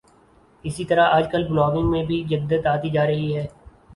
اسی طرح آج کل بلاگنگ میں بھی جدت آتی جا رہی ہے